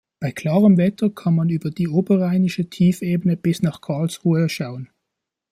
Bei klarem Wetter kann man über die Oberrheinische Tiefebene bis nach Karlsruhe schauen.